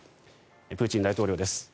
プーチン大統領です。